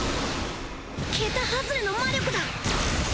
桁外れの魔力だ